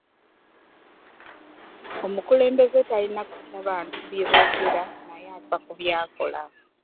Omukulembeze talina kutya bantu bye boogera naye afa ku byakola